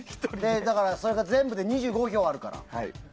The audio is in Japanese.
だから、それが全部で２５票持ってるから。